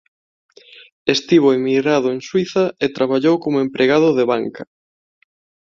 Estivo emigrado en Suíza e traballou como empregado de banca.